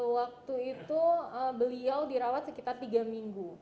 waktu itu beliau dirawat sekitar tiga minggu